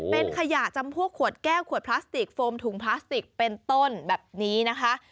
เป็นขยะจำพวกขวดแก้วขวดพลาสติกโฟมถุงพลาสติกเป็นต้นแบบนี้นะคะ